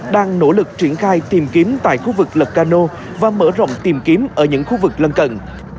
đang nỗ lực triển khai tìm kiếm tại khu vực lật cano và mở rộng tìm kiếm ở những khu vực lân cận